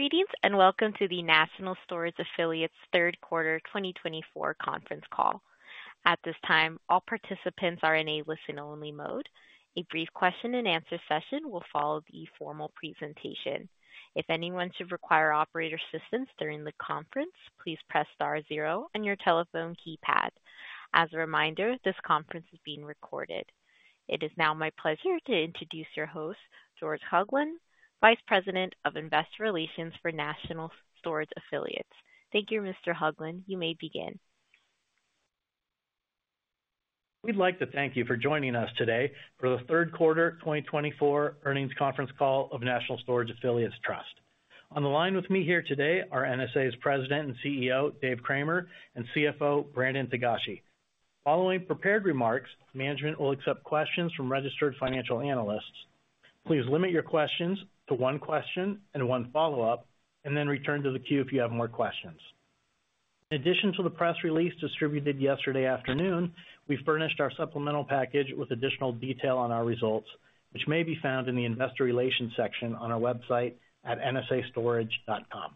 Greetings and welcome to the National Storage Affiliates Q3 2024 conference call. At this time, all participants are in a listen-only mode. A brief question-and-answer session will follow the formal presentation. If anyone should require operator assistance during the conference, please press star zero on your telephone keypad. As a reminder, this conference is being recorded. It is now my pleasure to introduce your host, George Hoglund, Vice President of Investor Relations for National Storage Affiliates. Thank you, Mr. Hoglund. You may begin. We'd like to thank you for joining us today for the Q3 2024 earnings conference call of National Storage Affiliates Trust. On the line with me here today are NSA's President and CEO, Dave Cramer, and CFO, Brandon Togashi. Following prepared remarks, management will accept questions from registered financial analysts. Please limit your questions to one question and one follow-up, and then return to the queue if you have more questions. In addition to the press release distributed yesterday afternoon, we've furnished our supplemental package with additional detail on our results, which may be found in the Investor Relations section on our website at nsastorage.com.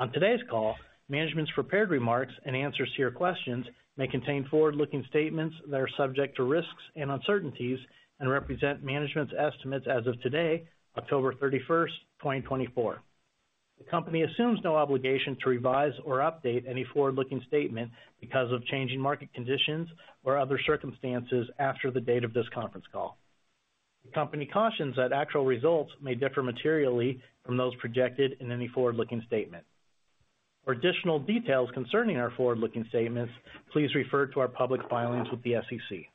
On today's call, management's prepared remarks and answers to your questions may contain forward-looking statements that are subject to risks and uncertainties and represent management's estimates as of today, October 31st, 2024. The company assumes no obligation to revise or update any forward-looking statement because of changing market conditions or other circumstances after the date of this conference call. The company cautions that actual results may differ materially from those projected in any forward-looking statement. For additional details concerning our forward-looking statements, please refer to our public filings with the SEC.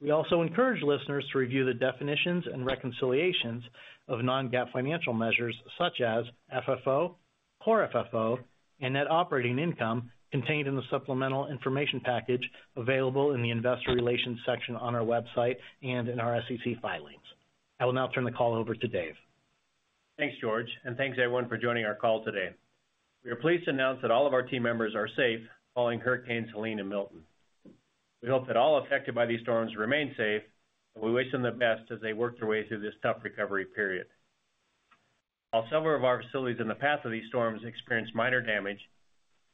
We also encourage listeners to review the definitions and reconciliations of non-GAAP financial measures such as FFO, Core FFO, and Net Operating Income contained in the supplemental information package available in the Investor Relations section on our website and in our SEC filings. I will now turn the call over to Dave. Thanks, George, and thanks everyone for joining our call today. We are pleased to announce that all of our team members are safe following Hurricanes Helene and Milton. We hope that all affected by these storms remain safe, and we wish them the best as they work their way through this tough recovery period. While several of our facilities in the path of these storms experienced minor damage,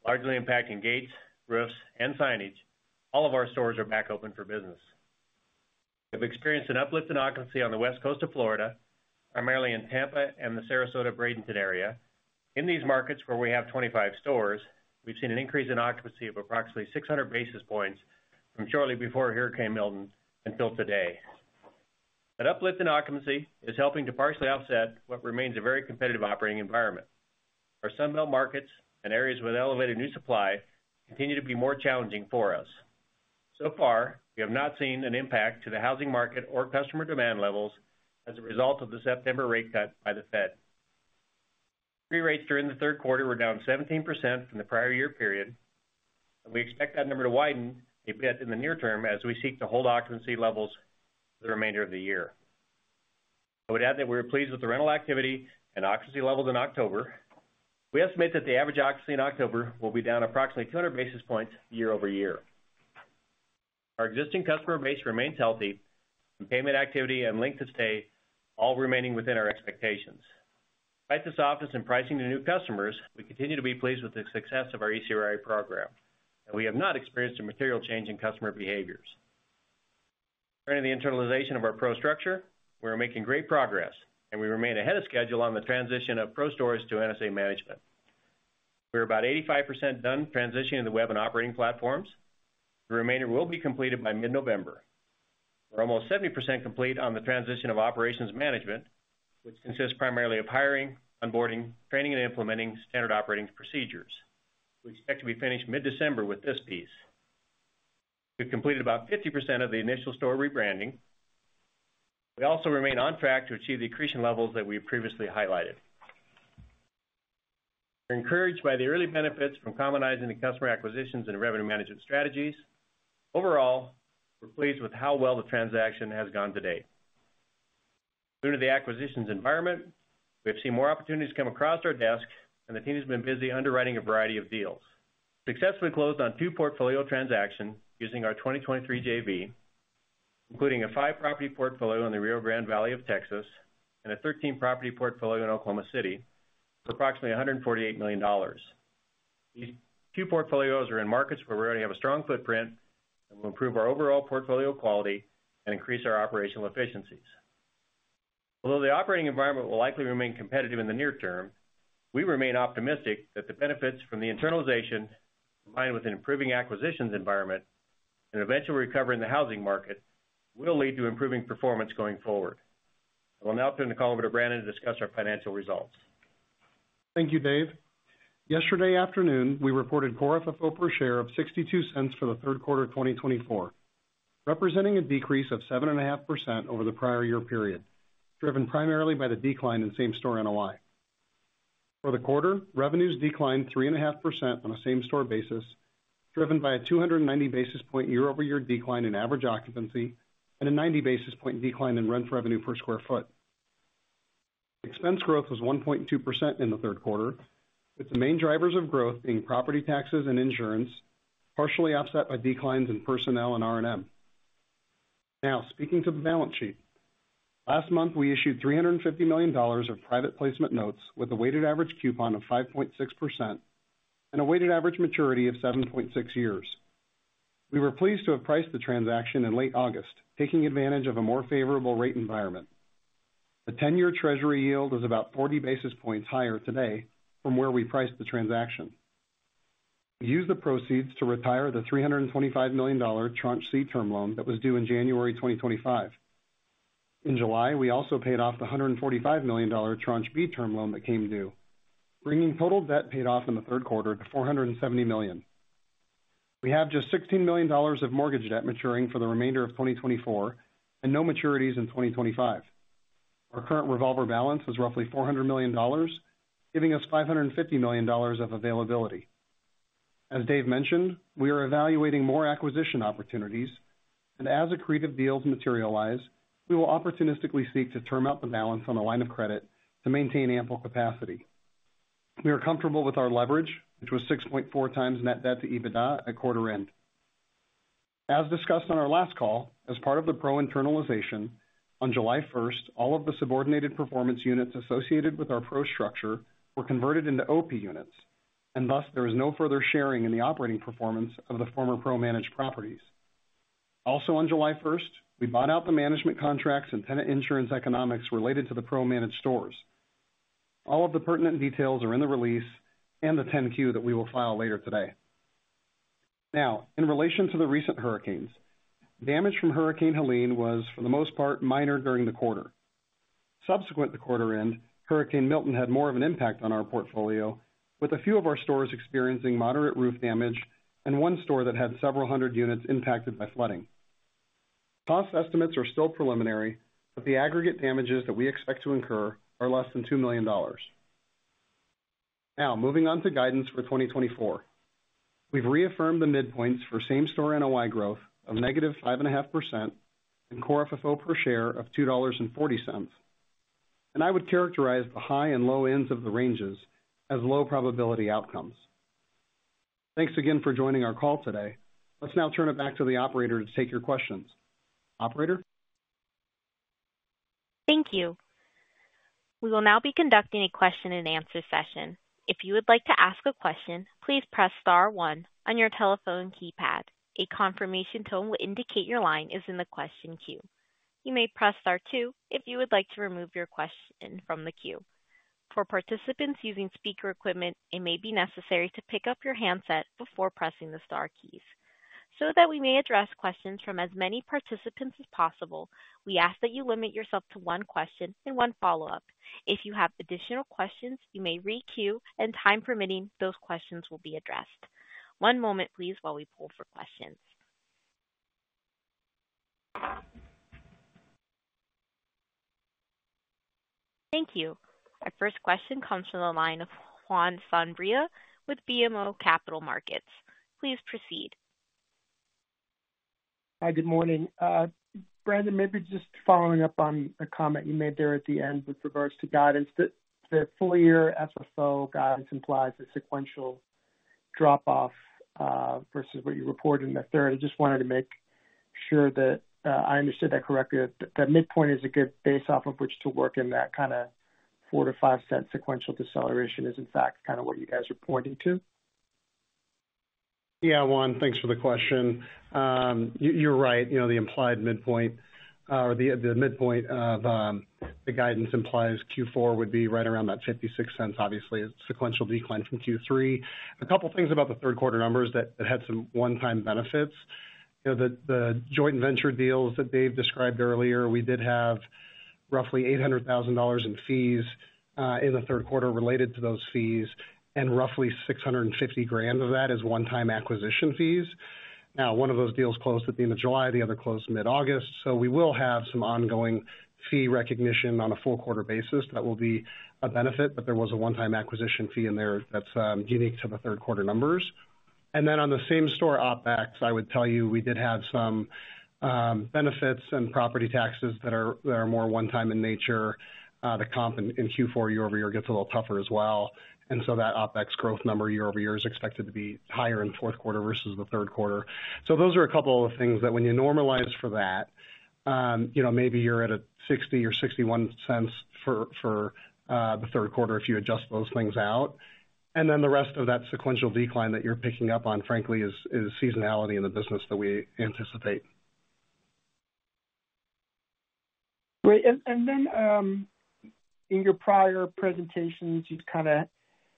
largely impacting gates, roofs, and signage, all of our stores are back open for business. We have experienced an uplift in occupancy on the West Coast of Florida, primarily in Tampa and the Sarasota-Bradenton area. In these markets, where we have 25 stores, we've seen an increase in occupancy of approximately 600 basis points from shortly before Hurricane Milton until today. That uplift in occupancy is helping to partially offset what remains a very competitive operating environment. Our Sunbelt markets and areas with elevated new supply continue to be more challenging for us. So far, we have not seen an impact to the housing market or customer demand levels as a result of the September rate cut by the Fed. Pre-rates during the Q3 were down 17% from the prior year period, and we expect that number to widen a bit in the near term as we seek to hold occupancy levels for the remainder of the year. I would add that we are pleased with the rental activity and occupancy levels in October. We estimate that the average occupancy in October will be down approximately 200 basis points year-over-year. Our existing customer base remains healthy, and payment activity and length of stay all remaining within our expectations. Despite this, our focus on pricing to new customers, we continue to be pleased with the success of our ECRA program, and we have not experienced a material change in customer behaviors. Regarding the internalization of our PRO structure, we are making great progress, and we remain ahead of schedule on the transition of PRO stores to NSA management. We are about 85% done transitioning to the web and operating platforms. The remainder will be completed by mid-November. We're almost 70% complete on the transition of operations management, which consists primarily of hiring, onboarding, training, and implementing standard operating procedures. We expect to be finished mid-December with this piece. We've completed about 50% of the initial store rebranding. We also remain on track to achieve the accretion levels that we previously highlighted. We're encouraged by the early benefits from communizing the customer acquisitions and revenue management strategies. Overall, we're pleased with how well the transaction has gone today. Due to the acquisitions environment, we have seen more opportunities come across our desk, and the team has been busy underwriting a variety of deals. We successfully closed on two portfolio transactions using our 2023 JV, including a five-property portfolio in the Rio Grande Valley of Texas and a 13-property portfolio in Oklahoma City for approximately $148 million. These two portfolios are in markets where we already have a strong footprint and will improve our overall portfolio quality and increase our operational efficiencies. Although the operating environment will likely remain competitive in the near term, we remain optimistic that the benefits from the internalization, combined with an improving acquisitions environment and eventual recovery in the housing market, will lead to improving performance going forward. I will now turn the call over to Brandon to discuss our financial results. Thank you, Dave. Yesterday afternoon, we reported Core FFO per share of $0.62 for the Q3 2024, representing a decrease of 7.5% over the prior year period, driven primarily by the decline in same-store NOI. For the quarter, revenues declined 3.5% on a same-store basis, driven by a 290 basis points year-over-year decline in average occupancy and a 90 basis points decline in rent revenue per square foot. Expense growth was 1.2% in the Q3, with the main drivers of growth being property taxes and insurance, partially offset by declines in personnel and R&M. Now, speaking to the balance sheet, last month we issued $350 million of private placement notes with a weighted average coupon of 5.6% and a weighted average maturity of 7.6 years. We were pleased to have priced the transaction in late August, taking advantage of a more favorable rate environment. The 10-year Treasury yield is about 40 basis points higher today from where we priced the transaction. We used the proceeds to retire the $325 million Tranche C term loan that was due in January 2025. In July, we also paid off the $145 million Tranche B term loan that came due, bringing total debt paid off in the Q3 to $470 million. We have just $16 million of mortgage debt maturing for the remainder of 2024 and no maturities in 2025. Our current revolver balance is roughly $400 million, giving us $550 million of availability. As Dave mentioned, we are evaluating more acquisition opportunities, and as accretive deals materialize, we will opportunistically seek to term out the balance on a line of credit to maintain ample capacity. We are comfortable with our leverage, which was 6.4 times net debt to EBITDA at quarter end. As discussed on our last call, as part of the PRO internalization, on July 1st, all of the subordinated performance units associated with our PRO structure were converted into OP units, and thus there is no further sharing in the operating performance of the former PRO-managed properties. Also, on July 1st, we bought out the management contracts and tenant insurance economics related to the PRO-managed stores. All of the pertinent details are in the release and the 10-Q that we will file later today. Now, in relation to the recent hurricanes, damage from Hurricane Helene was, for the most part, minor during the quarter. Subsequent to quarter end, Hurricane Milton had more of an impact on our portfolio, with a few of our stores experiencing moderate roof damage and one store that had several hundred units impacted by flooding. Cost estimates are still preliminary, but the aggregate damages that we expect to incur are less than $2 million. Now, moving on to guidance for 2024, we've reaffirmed the midpoints for same-store NOI growth of negative 5.5% and Core FFO per share of $2.40, and I would characterize the high and low ends of the ranges as low probability outcomes. Thanks again for joining our call today. Let's now turn it back to the operator to take your questions. Operator? Thank you. We will now be conducting a question-and-answer session. If you would like to ask a question, please press star one on your telephone keypad. A confirmation tone will indicate your line is in the question queue. You may press star two if you would like to remove your question from the queue. For participants using speaker equipment, it may be necessary to pick up your handset before pressing the star keys. So that we may address questions from as many participants as possible, we ask that you limit yourself to one question and one follow-up. If you have additional questions, you may re-queue, and time permitting, those questions will be addressed. One moment, please, while we pull for questions. Thank you. Our first question comes from the line of Juan Sanabria with BMO Capital Markets. Please proceed. Hi, good morning. Brandon, maybe just following up on a comment you made there at the end with regards to guidance. The full-year FFO guidance implies a sequential drop-off versus what you reported in the third. I just wanted to make sure that I understood that correctly. The midpoint is a good base off of which to work in that kind of $0.04-$0.05 sequential deceleration is, in fact, kind of what you guys are pointing to? Yeah, Juan, thanks for the question. You're right. The implied midpoint or the midpoint of the guidance implies Q4 would be right around that $0.56, obviously, a sequential decline from Q3. A couple of things about the Q3 numbers that had some one-time benefits. The joint venture deals that Dave described earlier, we did have roughly $800,000 in fees in the Q3 related to those fees, and roughly $650,000 of that is one-time acquisition fees. Now, one of those deals closed at the end of July. The other closed mid-August. So we will have some ongoing fee recognition on a full quarter basis. That will be a benefit, but there was a one-time acquisition fee in there that's unique to the Q3 numbers. Then on the same-store OpEx, I would tell you we did have some benefits and property taxes that are more one-time in nature. The comp in Q4 year-over-year gets a little tougher as well. And so that OpEx growth number year-over-year is expected to be higher in the Q4 versus the Q3. So those are a couple of things that when you normalize for that, maybe you're at a $0.60 or $0.61 for the Q3 if you adjust those things out. And then the rest of that sequential decline that you're picking up on, frankly, is seasonality in the business that we anticipate. Great. And then in your prior presentations, you kind of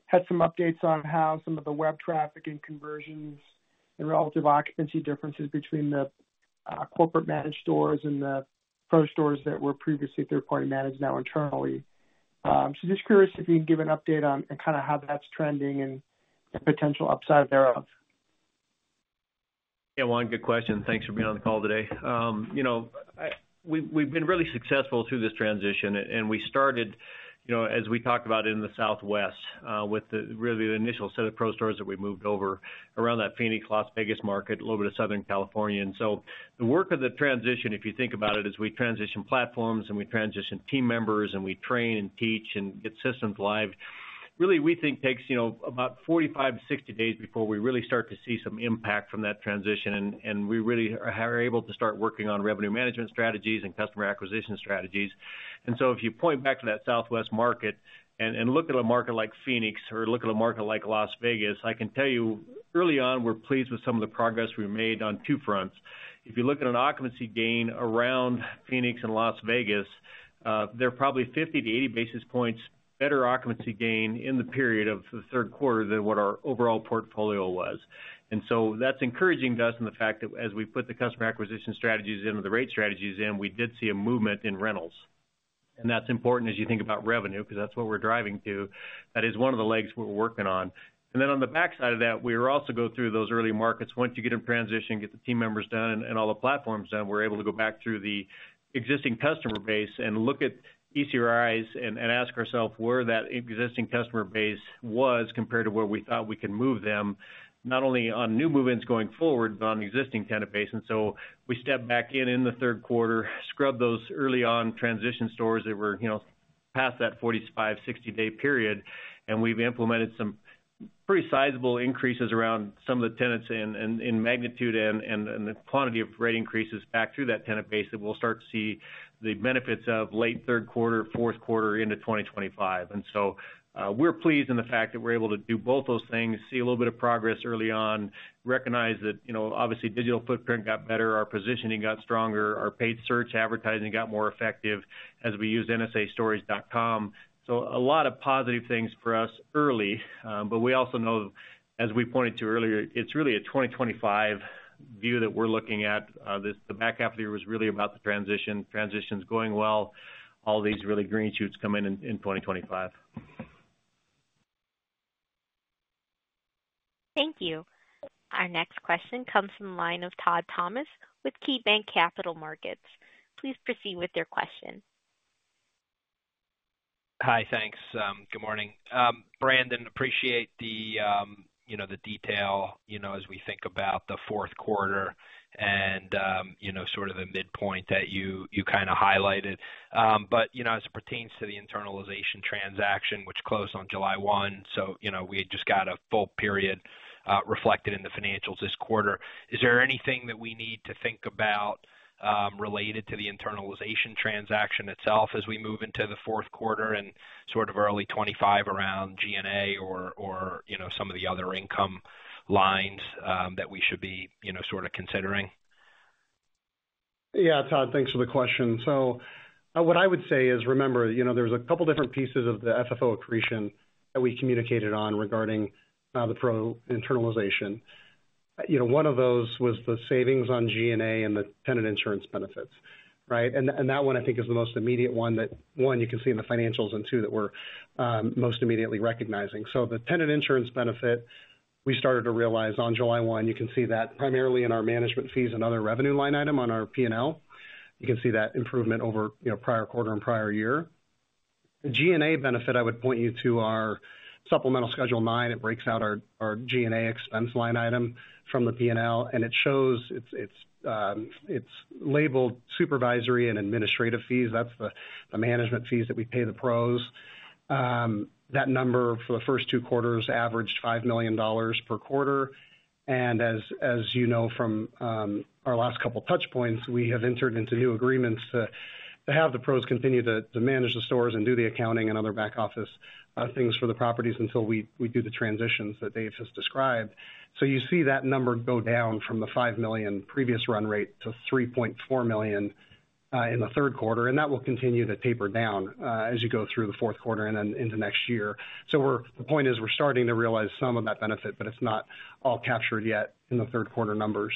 had some updates on how some of the web traffic and conversions and relative occupancy differences between the corporate-managed stores and the PRO stores that were previously third-party managed now internally. So just curious if you can give an update on kind of how that's trending and potential upside thereof? Yeah, Juan, good question. Thanks for being on the call today. We've been really successful through this transition, and we started, as we talked about in the Southwest, with really the initial set of PRO stores that we moved over around that Phoenix, Las Vegas market, a little bit of Southern California, and so the work of the transition, if you think about it, is we transition platforms and we transition team members and we train and teach and get systems live. Really, we think it takes about 45 to 60 days before we really start to see some impact from that transition, and we really are able to start working on revenue management strategies and customer acquisition strategies. And so if you point back to that Southwest market and look at a market like Phoenix or look at a market like Las Vegas, I can tell you early on we're pleased with some of the progress we made on two fronts. If you look at an occupancy gain around Phoenix and Las Vegas, there are probably 50-80 basis points better occupancy gain in the period of the Q3 than what our overall portfolio was. And so that's encouraging to us in the fact that as we put the customer acquisition strategies into the rate strategies in, we did see a movement in rentals. And that's important as you think about revenue because that's what we're driving to. That is one of the legs we're working on. And then on the backside of that, we were also going through those early markets. Once you get in transition, get the team members done and all the platforms done, we're able to go back through the existing customer base and look at ECRAs and ask ourselves where that existing customer base was compared to where we thought we could move them, not only on new movements going forward, but on existing tenant base, and so we stepped back in in the Q3, scrubbed those early on transition stores that were past that 45-60-day period, and we've implemented some pretty sizable increases around some of the tenants in magnitude and the quantity of rate increases back through that tenant base that we'll start to see the benefits of late Q3, Q4 into 2025. And so we're pleased in the fact that we're able to do both those things, see a little bit of progress early on, recognize that obviously digital footprint got better, our positioning got stronger, our paid search advertising got more effective as we used nsa-stories.com. So a lot of positive things for us early, but we also know, as we pointed to earlier, it's really a 2025 view that we're looking at. The back half of the year was really about the transition. Transition's going well. All these really green shoots come in in 2025. Thank you. Our next question comes from the line of Todd Thomas with KeyBanc Capital Markets. Please proceed with your question. Hi, thanks. Good morning. Brandon, appreciate the detail as we think about the Q4 and sort of the midpoint that you kind of highlighted. But as it pertains to the internalization transaction, which closed on July 1, so we had just got a full period reflected in the financials this quarter, is there anything that we need to think about related to the internalization transaction itself as we move into the Q4 and sort of early 2025 around G&A or some of the other income lines that we should be sort of considering? Yeah, Todd, thanks for the question. So what I would say is, remember, there was a couple of different pieces of the FFO accretion that we communicated on regarding the PRO internalization. One of those was the savings on G&A and the tenant insurance benefits, right? And that one, I think, is the most immediate one that, one, you can see in the financials and two that we're most immediately recognizing. So the tenant insurance benefit, we started to realize on July 1, you can see that primarily in our management fees and other revenue line item on our P&L. You can see that improvement over prior quarter and prior year. The G&A benefit, I would point you to our supplemental schedule nine. It breaks out our G&A expense line item from the P&L, and it's labeled supervisory and administrative fees. That's the management fees that we pay the PROs. That number for the first two quarters averaged $5 million per quarter, and as you know from our last couple of touch points, we have entered into new agreements to have the PROs continue to manage the stores and do the accounting and other back office things for the properties until we do the transitions that Dave has described, so you see that number go down from the $5 million previous run rate to $3.4 million in the Q3, and that will continue to taper down as you go through the Q4 and then into next year, so the point is we're starting to realize some of that benefit, but it's not all captured yet in the Q3 numbers.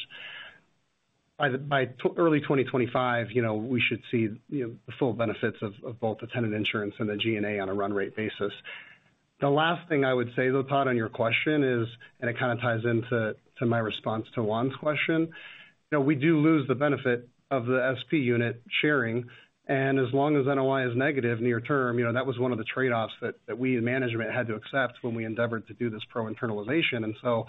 By early 2025, we should see the full benefits of both the tenant insurance and the G&A on a run rate basis. The last thing I would say, though, Todd, on your question is, and it kind of ties into my response to Juan's question, we do lose the benefit of the SP unit sharing. And as long as NOI is negative near term, that was one of the trade-offs that we as management had to accept when we endeavored to do this PRO internalization. And so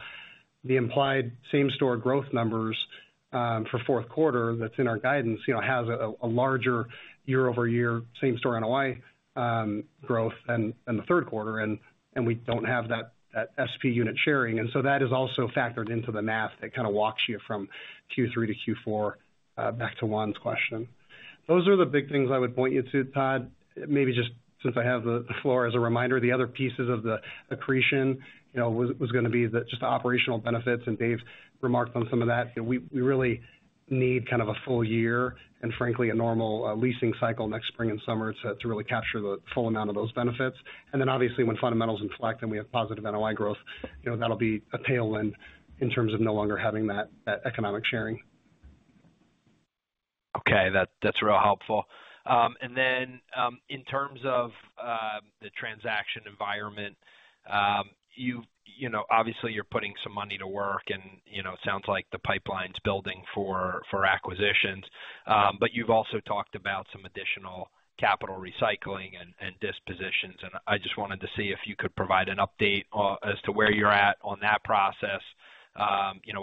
the implied same-store growth numbers for Q4 that's in our guidance has a larger year-over-year same-store NOI growth than the Q3, and we don't have that SP unit sharing. And so that is also factored into the math that kind of walks you from Q3 to Q4 back to Juan's question. Those are the big things I would point you to, Todd. Maybe just since I have the floor as a reminder, the other pieces of the accretion was going to be just the operational benefits. And Dave remarked on some of that. We really need kind of a full year and, frankly, a normal leasing cycle next spring and summer to really capture the full amount of those benefits. And then, obviously, when fundamentals inflect and we have positive NOI growth, that'll be a tailwind in terms of no longer having that economic sharing. Okay, that's real helpful. And then in terms of the transaction environment, obviously, you're putting some money to work, and it sounds like the pipeline's building for acquisitions. But you've also talked about some additional capital recycling and dispositions. And I just wanted to see if you could provide an update as to where you're at on that process,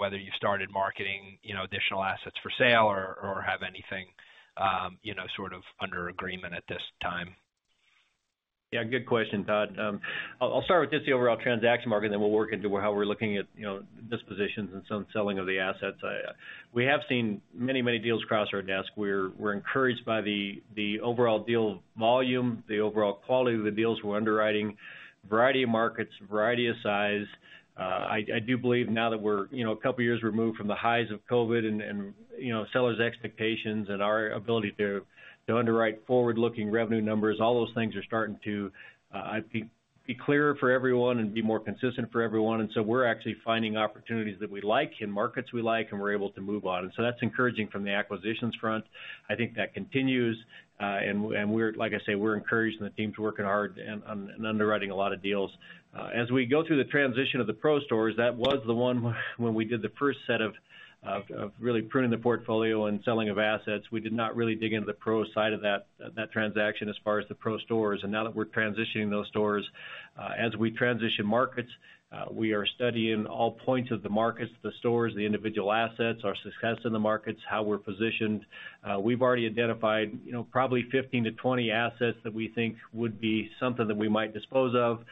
whether you've started marketing additional assets for sale or have anything sort of under agreement at this time? Yeah, good question, Todd. I'll start with just the overall transaction market, and then we'll work into how we're looking at dispositions and some selling of the assets. We have seen many, many deals cross our desk. We're encouraged by the overall deal volume, the overall quality of the deals we're underwriting, variety of markets, variety of size. I do believe now that we're a couple of years removed from the highs of COVID and sellers' expectations and our ability to underwrite forward-looking revenue numbers, all those things are starting to be clearer for everyone and be more consistent for everyone. And so we're actually finding opportunities that we like in markets we like, and we're able to move on. And so that's encouraging from the acquisitions front. I think that continues. And like I say, we're encouraging the team to work hard and underwriting a lot of deals. As we go through the transition of the PRO stores, that was the one when we did the first set of really pruning the portfolio and selling of assets. We did not really dig into the PRO side of that transaction as far as the PRO stores, and now that we're transitioning those stores, as we transition markets, we are studying all points of the markets, the stores, the individual assets, our success in the markets, how we're positioned. We've already identified probably 15-20 assets that we think would be something that we might dispose of.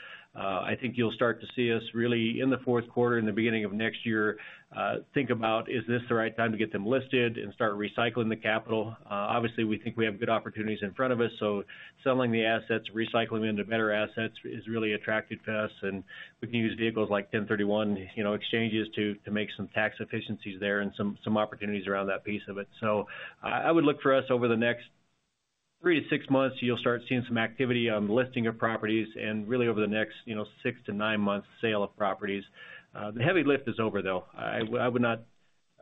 I think you'll start to see us really in the Q4, in the beginning of next year, think about, is this the right time to get them listed and start recycling the capital? Obviously, we think we have good opportunities in front of us. So selling the assets, recycling them into better assets is really attractive to us. And we can use vehicles like 1031 exchanges to make some tax efficiencies there and some opportunities around that piece of it. So I would look for us over the next three to six months, you'll start seeing some activity on the listing of properties and really over the next six to nine months' sale of properties. The heavy lift is over, though. I would not.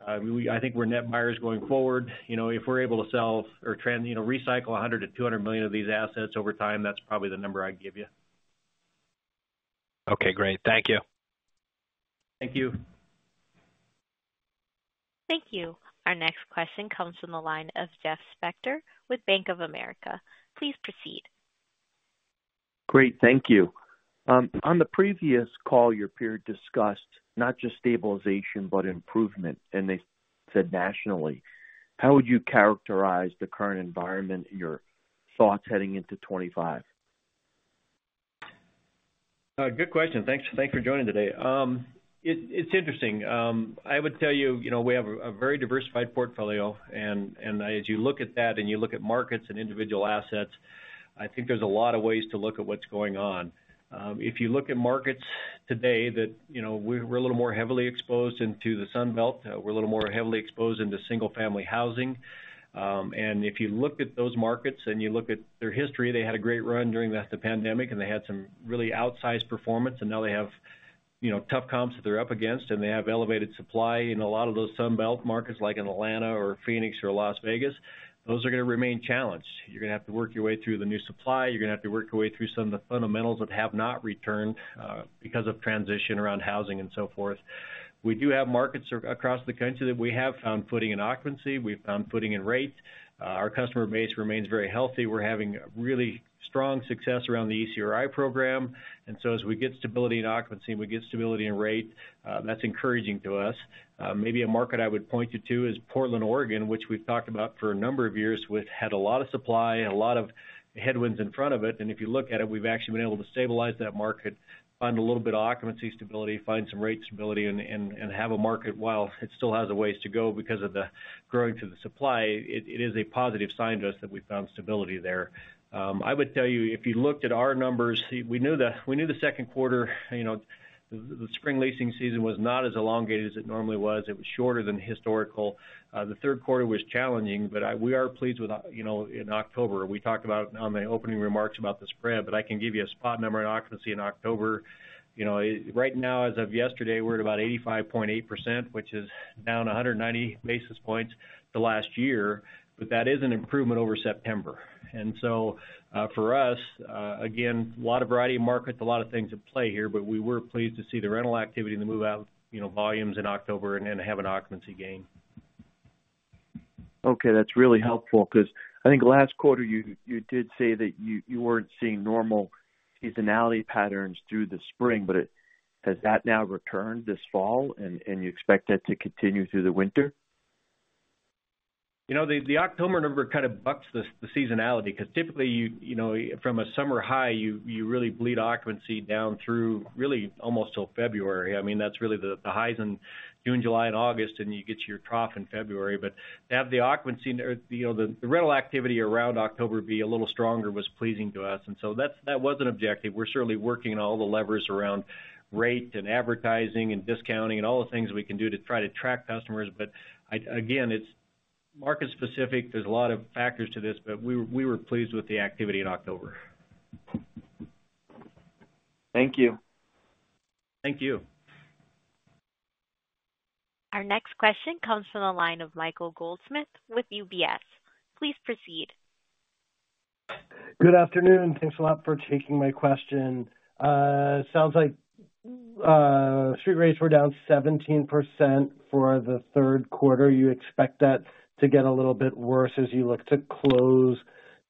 I think we're net buyers going forward. If we're able to sell or recycle $100 million-$200 million of these assets over time, that's probably the number I'd give you. Okay, great. Thank you. Thank you. Thank you. Our next question comes from the line of Jeff Spector with Bank of America. Please proceed. Great, thank you. On the previous call, your peer discussed not just stabilization, but improvement, and they said nationally. How would you characterize the current environment, your thoughts heading into 2025? Good question. Thanks for joining today. It's interesting. I would tell you we have a very diversified portfolio. And as you look at that and you look at markets and individual assets, I think there's a lot of ways to look at what's going on. If you look at markets today that we're a little more heavily exposed to the Sunbelt, we're a little more heavily exposed to single-family housing. And if you look at those markets and you look at their history, they had a great run during the pandemic, and they had some really outsized performance. And now they have tough comps that they're up against, and they have elevated supply. And a lot of those Sunbelt markets, like in Atlanta or Phoenix or Las Vegas, those are going to remain challenged. You're going to have to work your way through the new supply. You're going to have to work your way through some of the fundamentals that have not returned because of transition around housing and so forth. We do have markets across the country that we have found footing in occupancy. We've found footing in rate. Our customer base remains very healthy. We're having really strong success around the ECRI program. And so as we get stability in occupancy and we get stability in rate, that's encouraging to us. Maybe a market I would point you to is Portland, Oregon, which we've talked about for a number of years, which had a lot of supply, a lot of headwinds in front of it. And if you look at it, we've actually been able to stabilize that market, find a little bit of occupancy stability, find some rate stability, and have a market while it still has a ways to go because of the growing supply. It is a positive sign to us that we found stability there. I would tell you, if you looked at our numbers, we knew the Q2, the spring leasing season was not as elongated as it normally was. It was shorter than historical. The Q3 was challenging, but we are pleased within October. We talked about it in the opening remarks about the spread, but I can give you a spot number on occupancy in October. Right now, as of yesterday, we're at about 85.8%, which is down 190 basis points the last year, but that is an improvement over September. And so for us, again, a lot of variety of markets, a lot of things at play here, but we were pleased to see the rental activity and the move-out volumes in October and have an occupancy gain. Okay, that's really helpful because I think last quarter you did say that you weren't seeing normal seasonality patterns through the spring, but has that now returned this fall, and you expect that to continue through the winter? You know, the October number kind of bucks the seasonality because typically from a summer high, you really bleed occupancy down through really almost till February. I mean, that's really the highs in June, July, and August, and you get your trough in February. But to have the occupancy or the rental activity around October be a little stronger was pleasing to us. And so that was an objective. We're certainly working on all the levers around rate and advertising and discounting and all the things we can do to try to attract customers. But again, it's market-specific. There's a lot of factors to this, but we were pleased with the activity in October. Thank you. Thank you. Our next question comes from the line of Michael Goldsmith with UBS. Please proceed. Good afternoon. Thanks a lot for taking my question. Sounds like street rates were down 17% for the Q3. You expect that to get a little bit worse as you look to close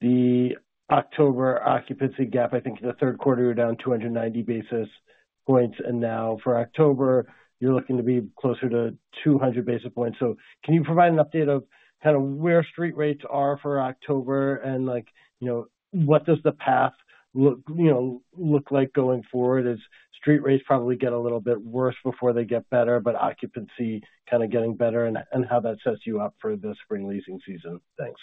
the October occupancy gap. I think in the Q3, you're down 290 basis points. And now for October, you're looking to be closer to 200 basis points. So can you provide an update of kind of where street rates are for October and what does the path look like going forward as street rates probably get a little bit worse before they get better, but occupancy kind of getting better and how that sets you up for the spring leasing season? Thanks.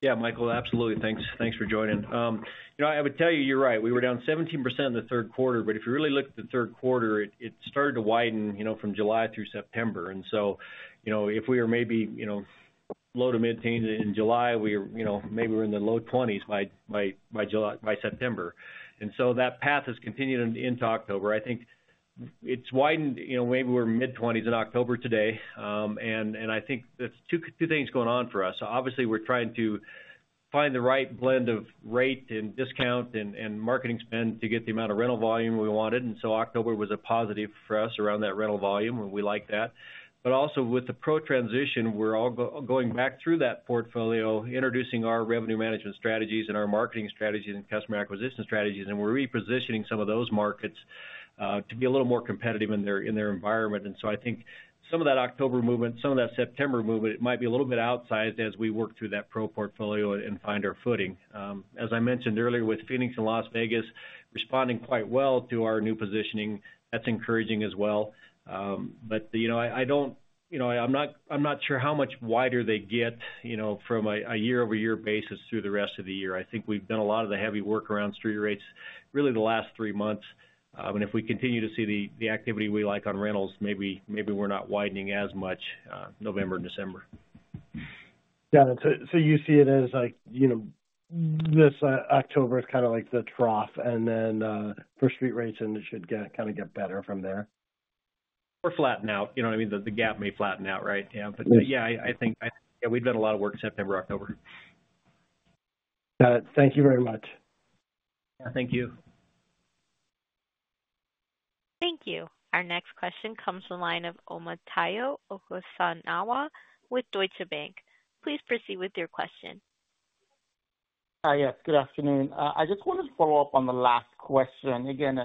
Yeah, Michael, absolutely. Thanks for joining. I would tell you you're right. We were down 17% in the Q3, but if you really look at the Q3, it started to widen from July through September. And so if we were maybe low to mid-teens in July, maybe we're in the low 20s by September. And so that path has continued into October. I think it's widened. Maybe we're mid-20s in October today. And I think there's two things going on for us. Obviously, we're trying to find the right blend of rate and discount and marketing spend to get the amount of rental volume we wanted. And so October was a positive for us around that rental volume, and we like that. But also with the PRO transition, we're all going back through that portfolio, introducing our revenue management strategies and our marketing strategies and customer acquisition strategies, and we're repositioning some of those markets to be a little more competitive in their environment. And so I think some of that October movement, some of that September movement, it might be a little bit outsized as we work through that PRO portfolio and find our footing. As I mentioned earlier, with Phoenix and Las Vegas responding quite well to our new positioning, that's encouraging as well. But I'm not sure how much wider they get from a year-over-year basis through the rest of the year. I think we've done a lot of the heavy work around street rates really the last three months. If we continue to see the activity we like on rentals, maybe we're not widening as much November and December. Yeah, so you see it as this October is kind of like the trough, and then for street rates, and it should kind of get better from there. We're flattening out. You know what I mean? The gap may flatten out, right? Yeah. But yeah, I think we've done a lot of work September, October. Got it. Thank you very much. Yeah, thank you. Thank you. Our next question comes from the line of Omotayo Okusanya with Deutsche Bank. Please proceed with your question. Hi, yes. Good afternoon. I just wanted to follow up on the last question. Again,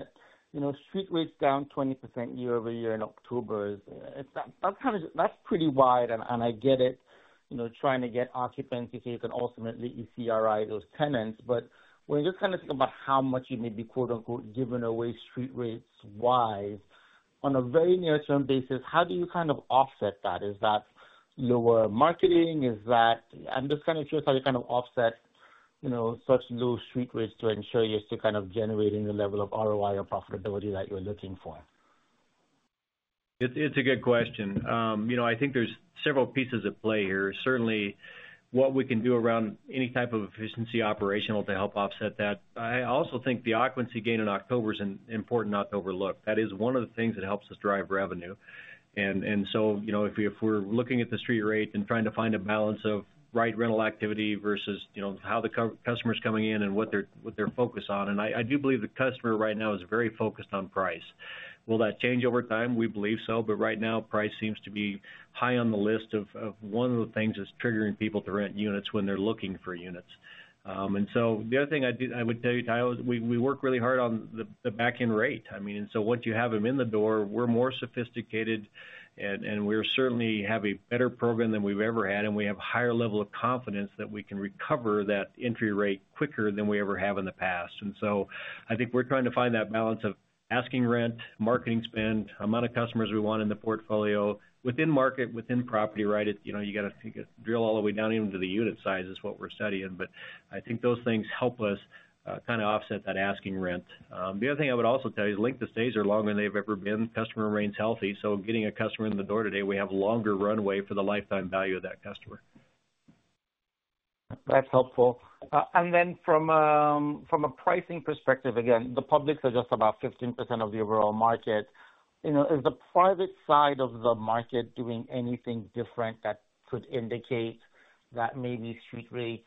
street rates down 20% year-over-year in October. That's pretty wide, and I get it, trying to get occupancy so you can ultimately ECRI those tenants. But when you're kind of thinking about how much you may be "giving away" street rates wise, on a very near-term basis, how do you kind of offset that? Is that lower marketing? I'm just kind of curious how you kind of offset such low street rates to ensure you're still kind of generating the level of ROI or profitability that you're looking for. It's a good question. I think there's several pieces at play here. Certainly, what we can do around any type of efficiency operational to help offset that. I also think the occupancy gain in October is an important not to overlook. That is one of the things that helps us drive revenue. And so if we're looking at the street rate and trying to find a balance of right rental activity versus how the customer's coming in and what they're focused on. And I do believe the customer right now is very focused on price. Will that change over time? We believe so. But right now, price seems to be high on the list of one of the things that's triggering people to rent units when they're looking for units. And so the other thing I would tell you, Tyler, we work really hard on the back-end rate. I mean, and so once you have them in the door, we're more sophisticated, and we certainly have a better program than we've ever had. And we have a higher level of confidence that we can recover that entry rate quicker than we ever have in the past. And so I think we're trying to find that balance of asking rent, marketing spend, amount of customers we want in the portfolio, within market, within property, right? You got to drill all the way down even to the unit size is what we're studying. But I think those things help us kind of offset that asking rent. The other thing I would also tell you is length of stays are longer than they've ever been. Customer remains healthy. So getting a customer in the door today, we have a longer runway for the lifetime value of that customer. That's helpful. And then from a pricing perspective, again, the publics are just about 15% of the overall market. Is the private side of the market doing anything different that could indicate that maybe street rates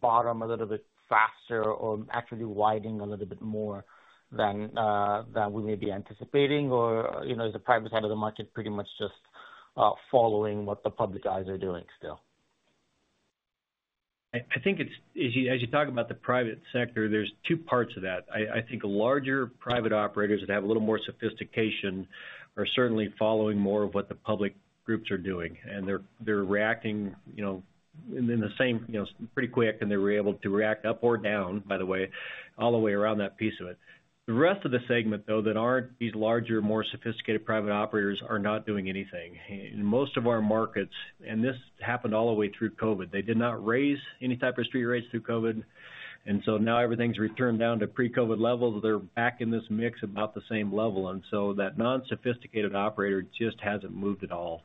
bottom a little bit faster or actually widening a little bit more than we may be anticipating? Or is the private side of the market pretty much just following what the publics are doing still? I think as you talk about the private sector, there's two parts of that. I think larger private operators that have a little more sophistication are certainly following more of what the public groups are doing, and they're reacting in the same pretty quick, and they were able to react up or down, by the way, all the way around that piece of it. The rest of the segment, though, that aren't these larger, more sophisticated private operators are not doing anything. In most of our markets, and this happened all the way through COVID, they did not raise any type of street rates through COVID, and so now everything's returned down to pre-COVID levels. They're back in this mix about the same level, and so that non-sophisticated operator just hasn't moved at all.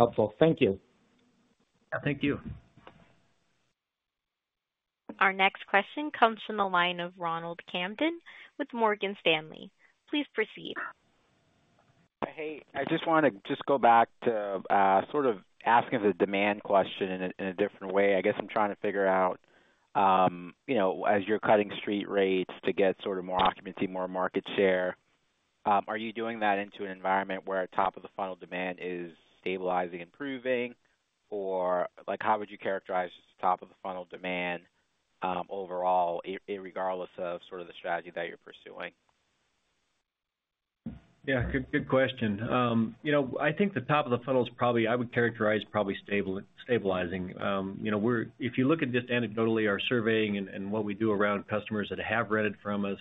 Helpful. Thank you. Thank you. Our next question comes from the line of Ronald Kamdem with Morgan Stanley. Please proceed. Hey, I just want to go back to sort of asking the demand question in a different way. I guess I'm trying to figure out, as you're cutting street rates to get sort of more occupancy, more market share, are you doing that into an environment where top-of-the-funnel demand is stabilizing and improving? Or how would you characterize top-of-the-funnel demand overall, regardless of sort of the strategy that you're pursuing? Yeah, good question. I think the top-of-the-funnel is probably I would characterize probably stabilizing. If you look at just anecdotally our surveying and what we do around customers that have rented from us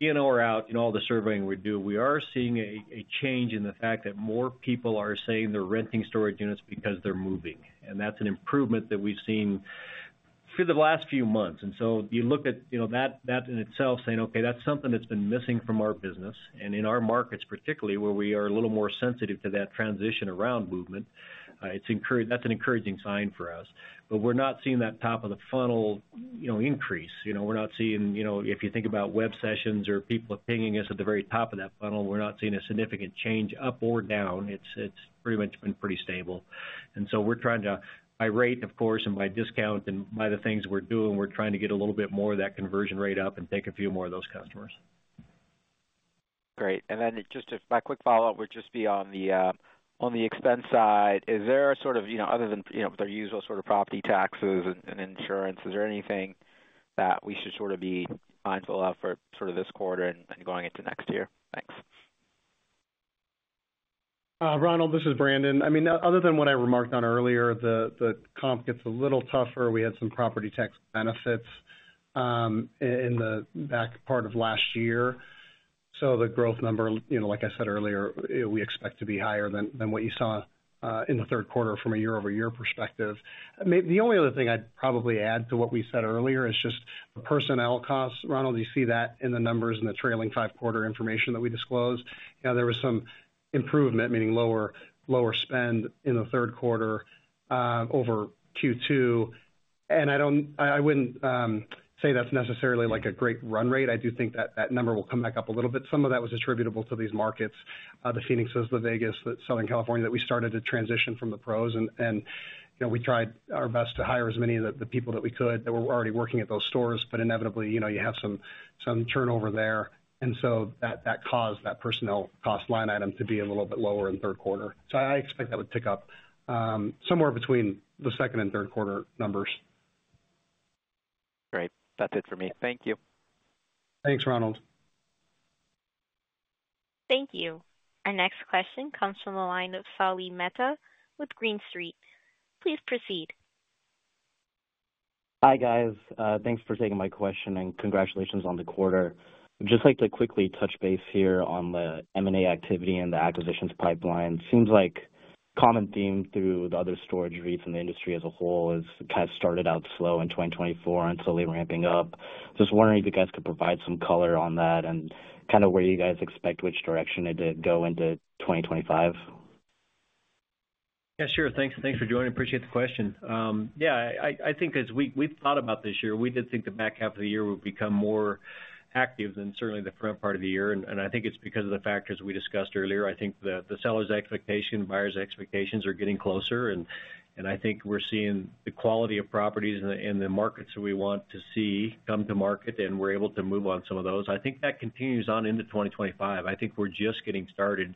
in or out in all the surveying we do, we are seeing a change in the fact that more people are saying they're renting storage units because they're moving. And that's an improvement that we've seen for the last few months. And so you look at that in itself saying, "Okay, that's something that's been missing from our business." And in our markets, particularly where we are a little more sensitive to that transition around movement, that's an encouraging sign for us. But we're not seeing that top-of-the-funnel increase. We're not seeing, if you think about web sessions or people pinging us at the very top of that funnel, a significant change up or down. It's pretty much been pretty stable. And so we're trying to, by rate, of course, and by discount and by the things we're doing, get a little bit more of that conversion rate up and take a few more of those customers. Great. And then just my quick follow-up would just be on the expense side. Is there sort of, other than their usual sort of property taxes and insurance, is there anything that we should sort of be mindful of for sort of this quarter and going into next year? Thanks. Ronald, this is Brandon. I mean, other than what I remarked on earlier, the comp gets a little tougher. We had some property tax benefits in the back part of last year, so the growth number, like I said earlier, we expect to be higher than what you saw in the Q3 from a year-over-year perspective. The only other thing I'd probably add to what we said earlier is just the personnel costs. Ronald, you see that in the numbers and the trailing five-quarter information that we disclosed. There was some improvement, meaning lower spend in the Q3 over Q2, and I wouldn't say that's necessarily like a great run rate. I do think that that number will come back up a little bit. Some of that was attributable to these markets, the Phoenixes, the Vegas, the Southern California that we started to transition from the pros. We tried our best to hire as many of the people that we could that were already working at those stores, but inevitably, you have some turnover there. And so that caused that personnel cost line item to be a little bit lower in Q3. So I expect that would pick up somewhere between the second and Q3 numbers. Great. That's it for me. Thank you. Thanks, Ronald. Thank you. Our next question comes from the line of Salil Mehta with Green Street. Please proceed. Hi guys. Thanks for taking my question and congratulations on the quarter. Just like to quickly touch base here on the M&A activity and the acquisitions pipeline. Seems like a common theme through the other storage REITs in the industry as a whole has kind of started out slow in 2024 and slowly ramping up. Just wondering if you guys could provide some color on that and kind of where you guys expect which direction it did go into 2025. Yeah, sure. Thanks for joining. Appreciate the question. Yeah, I think as we've thought about this year, we did think the back half of the year would become more active than certainly the front part of the year. And I think it's because of the factors we discussed earlier. I think the seller's expectation, buyer's expectations are getting closer. And I think we're seeing the quality of properties and the markets that we want to see come to market, and we're able to move on some of those. I think that continues on into 2025. I think we're just getting started.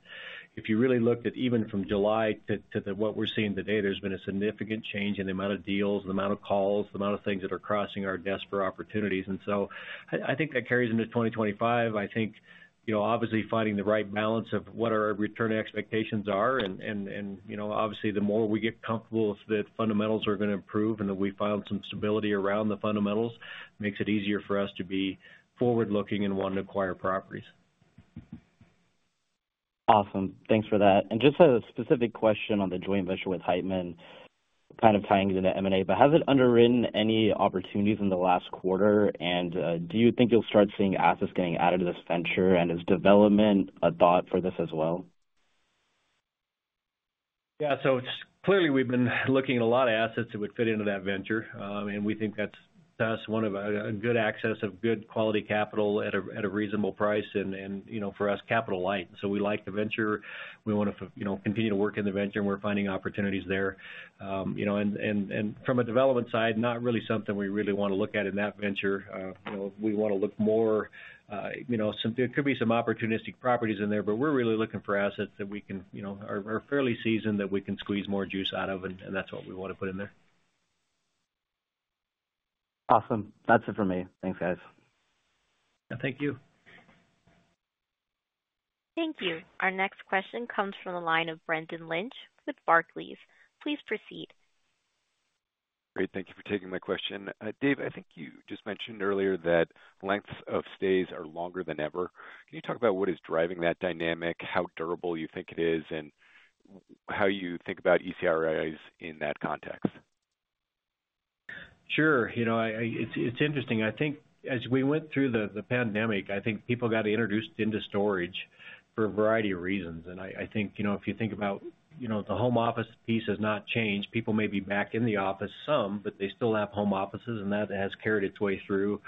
If you really looked at even from July to what we're seeing today, there's been a significant change in the amount of deals, the amount of calls, the amount of things that are crossing our desk for opportunities. And so I think that carries into 2025. I think obviously finding the right balance of what our return expectations are, and obviously, the more we get comfortable with the fundamentals are going to improve and that we find some stability around the fundamentals makes it easier for us to be forward-looking and want to acquire properties. Awesome. Thanks for that. And just a specific question on the joint venture with Heitman, kind of tying into the M&A, but has it underwritten any opportunities in the last quarter? And do you think you'll start seeing assets getting added to this venture? And is development a thought for this as well? Yeah. So clearly, we've been looking at a lot of assets that would fit into that venture. And we think that's one of a good access of good quality capital at a reasonable price and for us, capital light. So we like the venture. We want to continue to work in the venture, and we're finding opportunities there. And from a development side, not really something we really want to look at in that venture. We want to look more. There could be some opportunistic properties in there, but we're really looking for assets that are fairly seasoned that we can squeeze more juice out of, and that's what we want to put in there. Awesome. That's it for me. Thanks, guys. Thank you. Thank you. Our next question comes from the line of Brendan Lynch with Barclays. Please proceed. Great. Thank you for taking my question. Dave, I think you just mentioned earlier that lengths of stays are longer than ever. Can you talk about what is driving that dynamic, how durable you think it is, and how you think about ECRIs in that context? Sure. It's interesting. I think as we went through the pandemic, I think people got introduced into storage for a variety of reasons. And I think if you think about the home office piece has not changed. People may be back in the office, some, but they still have home offices, and that has carried its way through.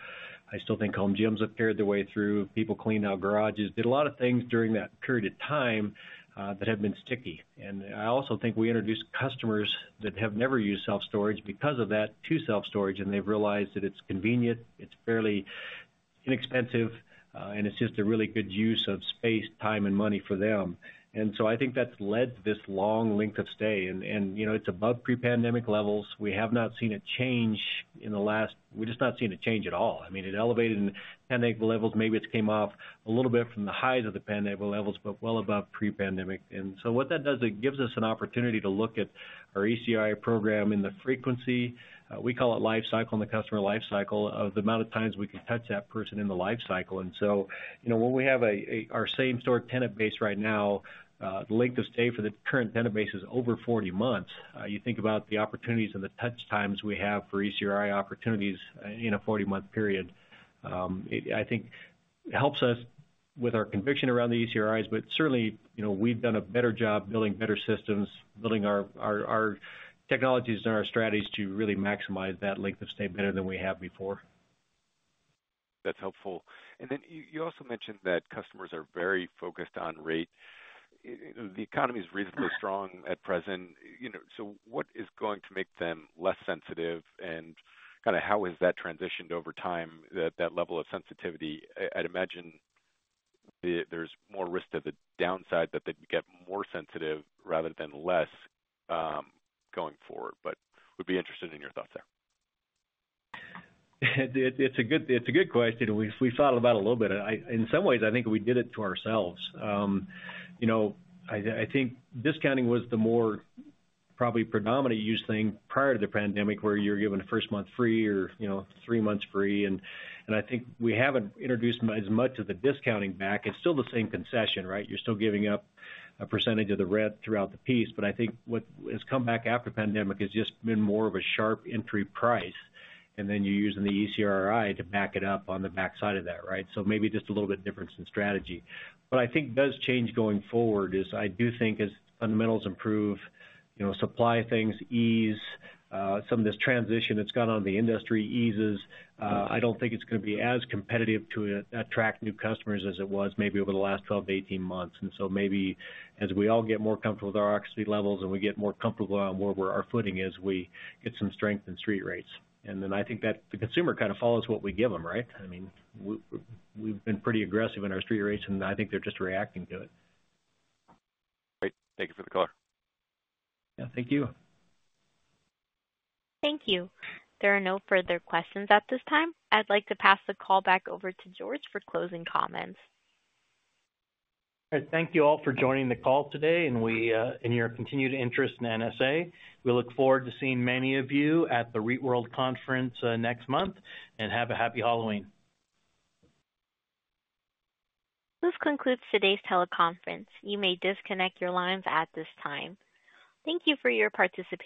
I still think home gyms have carried their way through. People cleaned out garages, did a lot of things during that period of time that have been sticky. And I also think we introduced customers that have never used self-storage because of that to self-storage, and they've realized that it's convenient, it's fairly inexpensive, and it's just a really good use of space, time, and money for them. And so I think that's led to this long length of stay. And it's above pre-pandemic levels. We have not seen it change in the last. We're just not seeing it change at all. I mean, it elevated in pandemic levels. Maybe it came off a little bit from the highs of the pandemic levels, but well above pre-pandemic. And so what that does, it gives us an opportunity to look at our ECRI program in the frequency. We call it lifecycle in the customer lifecycle of the amount of times we can touch that person in the lifecycle. And so when we have our same-store tenant base right now, the length of stay for the current tenant base is over 40 months. You think about the opportunities and the touch times we have for ECRI opportunities in a 40-month period. I think it helps us with our conviction around the ECRIs, but certainly we've done a better job building better systems, building our technologies and our strategies to really maximize that length of stay better than we have before. That's helpful. And then you also mentioned that customers are very focused on rate. The economy is reasonably strong at present. So what is going to make them less sensitive? And kind of how has that transitioned over time, that level of sensitivity? I'd imagine there's more risk to the downside that they'd get more sensitive rather than less going forward, but would be interested in your thoughts there. It's a good question. We've thought about it a little bit. In some ways, I think we did it to ourselves. I think discounting was the more probably predominant use thing prior to the pandemic where you're given a first month free or three months free. And I think we haven't introduced as much of the discounting back. It's still the same concession, right? You're still giving up a percentage of the rent throughout the lease. But I think what has come back after pandemic has just been more of a sharp entry price, and then you're using the ECRI to back it up on the backside of that, right? So maybe just a little bit different in strategy. But I think it does change going forward is I do think as fundamentals improve, supply things ease, some of this transition that's gone on in the industry eases. I don't think it's going to be as competitive to attract new customers as it was maybe over the last 12 to 18 months. And so maybe as we all get more comfortable with our OXP levels and we get more comfortable on where our footing is, we get some strength in street rates. And then I think that the consumer kind of follows what we give them, right? I mean, we've been pretty aggressive in our street rates, and I think they're just reacting to it. Great. Thank you for the call. Yeah, thank you. Thank you. There are no further questions at this time. I'd like to pass the call back over to George for closing comments. Thank you all for joining the call today and your continued interest in NSA. We look forward to seeing many of you at the REITWorld Conference next month, and have a happy Halloween. This concludes today's teleconference. You may disconnect your lines at this time. Thank you for your participation.